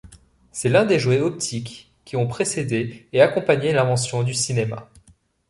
C'est l'un des jouets optiques qui ont précédé et accompagné l'invention du cinéma.